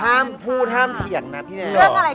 ห้ามพูดห้ามเถียงนะพี่แนว